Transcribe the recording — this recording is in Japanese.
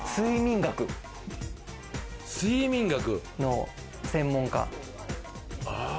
睡眠学の専門家。